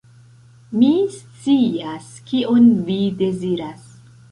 Mi scias, kion vi deziras.